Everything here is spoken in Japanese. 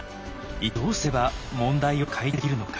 一体どうすれば問題を解決できるのか。